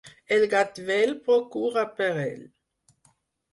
El gat vell procura per ell.